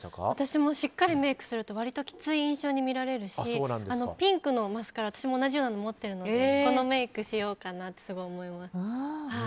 私もしっかりメイクすると割ときつい印象に見られるし、ピンクのマスカラ私も同じようなの持ってるのでこのメイクしようかなってすごい思います。